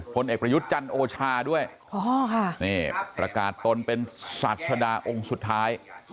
เอกประยุทธ์จันทร์โอชาด้วยประกาศตนเป็นศาสดาองค์สุดท้าย